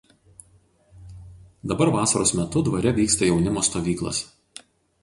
Dabar vasaros metu dvare vyksta jaunimo stovyklos.